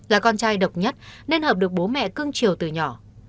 là con trai độc nhất nên hợp được bố mẹ cưng triều từ nhỏ